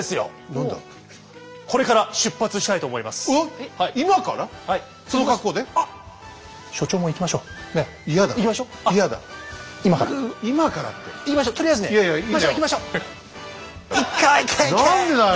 何でだよ！